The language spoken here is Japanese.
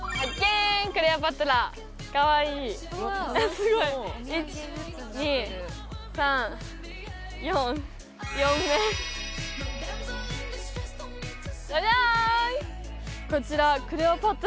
すごい１２３４４面ジャジャーン！